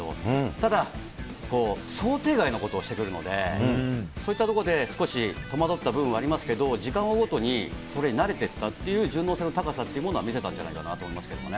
ただ、想定外のことをしてくるので、そういったところで少し戸惑った部分もありますけど、時間を追うごとにそれに慣れていったという順応性の高さっていうのは見せたんじゃないかと思いますけどね。